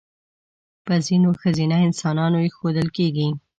په ځینو ښځینه انسانانو اېښودل کېږي.